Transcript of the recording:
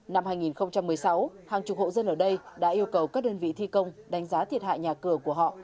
năm hai nghìn một mươi sáu hàng chục hộ dân ở đây đã yêu cầu các đơn vị thi công đánh giá thiệt hại nhà cửa của họ